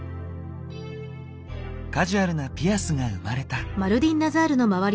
カジュアルなピアスが生まれた。